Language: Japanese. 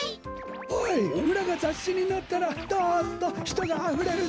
おいむらがざっしにのったらどっとひとがあふれるぞ！